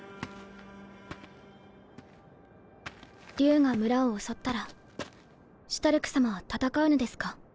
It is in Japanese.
竜が村を襲ったらシュタルク様は戦うのですか？